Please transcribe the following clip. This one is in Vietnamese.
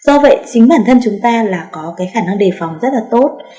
do vậy chính bản thân chúng ta là có cái khả năng đề phòng rất là tốt